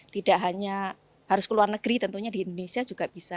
tidak hanya harus ke luar negeri tentunya di indonesia juga bisa